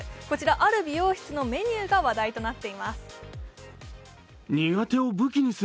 こちら、ある美容室のメニューが話題となっています。